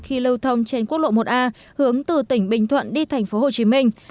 khi lưu thông trên quốc lộ một a hướng từ tỉnh bình thuận đi thành phố hồ chí minh